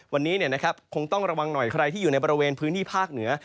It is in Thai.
วันนี้คงต้องระวังหน่อยใครที่อยู่ในบริเวณพื้นที่ภาคเหนือ